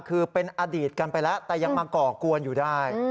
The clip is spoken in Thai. คือเป็นอดีตกันไปแล้วแต่ยังมาก่อกวนอยู่ได้